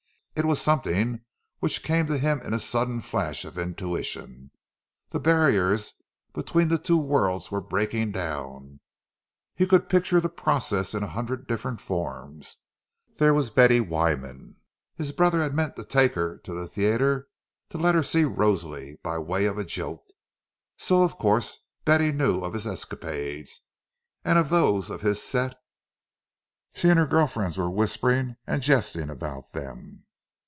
It was something which came to him in a sudden flash of intuition;—the barriers between the two worlds were breaking down! He could picture the process in a hundred different forms. There was Betty Wyman. His brother had meant to take her to the theatre, to let her see Rosalie, by way of a joke! So, of course, Betty knew of his escapades, and of those of his set; she and her girl friends were whispering and jesting about them.